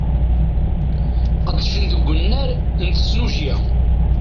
Qedcen deg unnar n tesnujya.